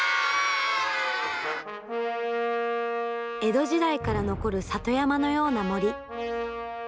江戸時代から残る里山のような森。